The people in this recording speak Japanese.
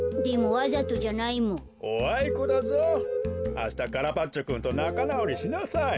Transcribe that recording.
あしたカラバッチョくんとなかなおりしなさい。